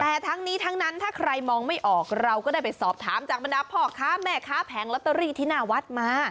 แต่ทั้งนี้ทั้งนั้นถ้าใครมองไม่ออกเราก็ได้ไปสอบถามจากบรรดาพ่อค้าแม่ค้าแผงลอตเตอรี่ที่หน้าวัดมา